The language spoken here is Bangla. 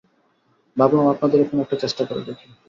ভাবলাম আপনাদের এখানে একটা চেষ্টা করে দেখি।